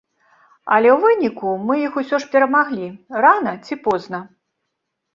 Але ў выніку мы іх усё ж перамаглі, рана ці позна.